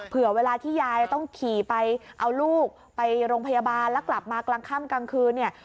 เผื่อเวลาที่ยายต้องขี่ไปเอาลูกไปโรงพยาบาลแล้วกลับมากลางค่ำกลางคืนเนี่ย